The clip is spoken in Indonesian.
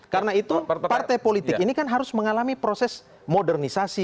karena itu partai politik ini kan harus mengalami proses modernisasi